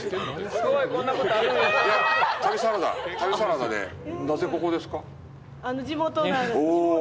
すごい！こんなこと、あるんやなぁ！